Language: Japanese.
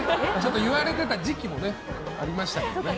言われてた時期もありましたけどね。